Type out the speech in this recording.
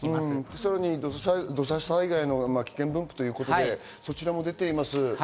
さらに土砂災害の危険分布、こちらも出ています。